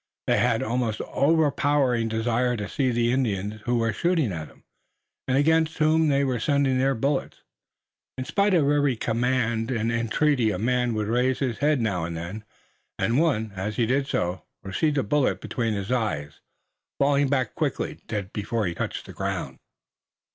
They had an almost overpowering desire to see the Indians who were shooting at them, and against whom they were sending their bullets. In spite of every command and entreaty a man would raise his head now and then, and one, as he did so, received a bullet between the eyes, falling back quietly, dead before he touched the ground.